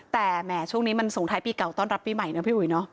แต่แหมช่วงนี้มันส่งท้ายปีเก่าต้อนรับปีใหม่นะพี่อุ๋ยเนอะ